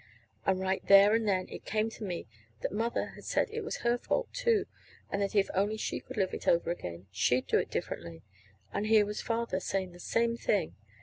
And right there and then it came to me that Mother said it was her fault, too; and that if only she could live it over again, she'd do differently. And here was Father saying the same thing.